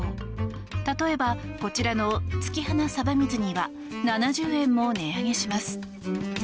例えば、こちらの月花さば水煮は７０円も値上げします。